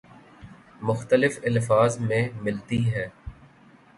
مختلف الفاظ میں ملتی ہے